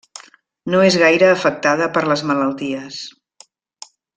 No és gaire afectada per les malalties.